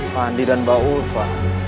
pandi dan mbak ulfa